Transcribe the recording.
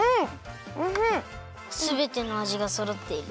すべてのあじがそろっている。